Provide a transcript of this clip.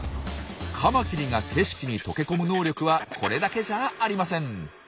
カマキリが景色に溶け込む能力はこれだけじゃありません。